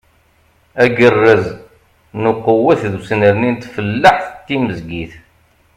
Agerrez n uqewwet d usnerni n tfellaḥt timezgit.